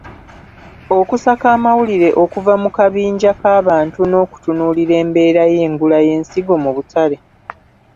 Okusaka amawulire okuva mu kabinja k’abantu n’okutunuulira embeera y’engula y’ensigo mu butale.